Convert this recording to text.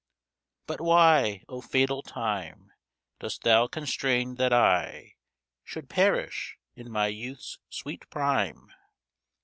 But why, O fatal time, Dost thou constrain that I Should perish in my youth's sweet prime?